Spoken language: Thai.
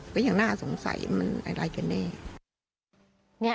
ก็อย่างน่าสงสัยว่าอะไรกันเนี่ย